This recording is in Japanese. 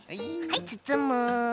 はいつつむ。